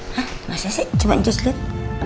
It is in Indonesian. hah masa sih coba entus liat